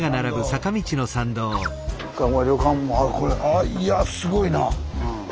あいやすごいな。